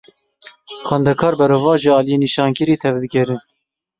Xwendekar berovajî aliyê nîşankirî, tev digerin.